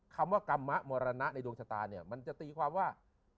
คำว่ากรรมมะมรณะในดวงชะตาเนี่ยมันจะตีความว่า